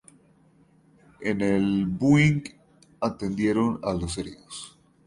En el Boeing atendieron a los heridos.